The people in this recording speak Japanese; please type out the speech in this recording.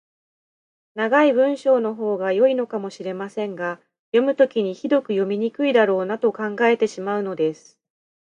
長い文章のほうが良いのかもしれませんが、読むときにひどく読みにくいだろうなと考えてしまうのです。